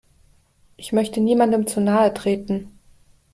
Ich möchte niemandem zu nahe treten.